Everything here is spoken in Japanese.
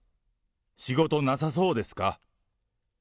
仕事なさそうですか？